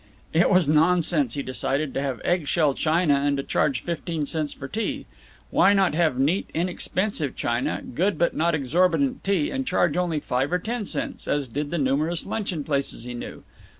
It was nonsense, he decided, to have egg shell china and to charge fifteen cents for tea. Why not have neat, inexpensive china, good but not exorbitant tea, and charge only five or ten cents, as did the numerous luncheon places he knew?